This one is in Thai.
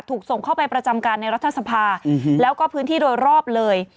ถูกส่งเข้าไปประจำการในรัฐสภาแล้วก็พื้นที่โดยรอบเลย